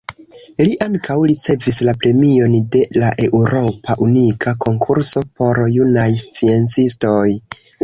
Li ankaŭ ricevis la premion de la Eŭropa Unia Konkurso por Junaj Sciencistoj.